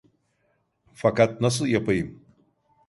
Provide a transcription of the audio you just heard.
Fakat nasıl yapayım?